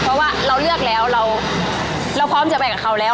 เพราะว่าเราเลือกแล้วเราพร้อมจะไปกับเขาแล้ว